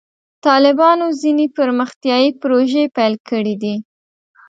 طالبانو ځینې پرمختیایي پروژې پیل کړې دي.